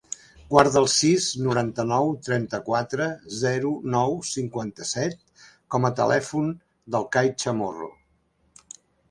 Guarda el sis, noranta-nou, trenta-quatre, zero, nou, cinquanta-set com a telèfon del Kai Chamorro.